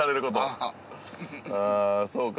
ああそうか。